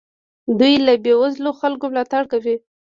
دوی له بې وزلو خلکو ملاتړ کوي.